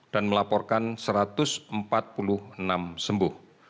dan melaporkan satu ratus empat puluh enam sembuh